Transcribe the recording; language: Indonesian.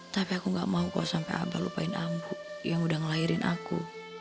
tapi aku nggak mau kok sampai abah lupain ambu yang udah ngelahirin aku